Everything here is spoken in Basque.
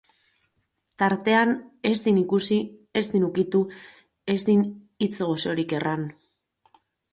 Tartean ezin ikusi, ezin ukitu, ezin hitz goxorik erran.